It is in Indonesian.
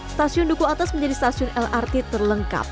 stasiun duku atas menjadi stasiun lrt terlengkap